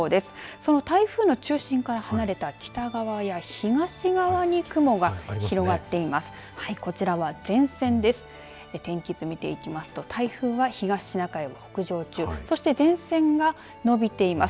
その台風の中心から離れた北側や東側に雲が広がっています。